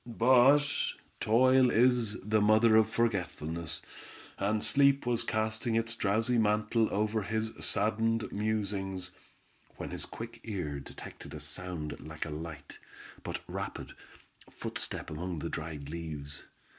But toil, is the mother of forgetfulness, and sleep was casting its drowsy mantle over his saddened musings, when his quick ear, detected a sound like a light, but rapid, footstep among the dried leaves.